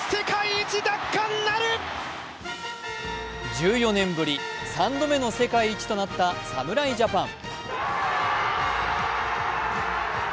１４年ぶり３度目の世界一となった侍ジャパン。